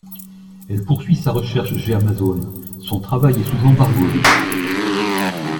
Elle poursuit sa recherche chez Amazon, son travail est sous embargo depuis.